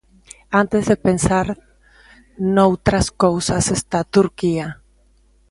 Antes de pensar noutras cousas está Turquía.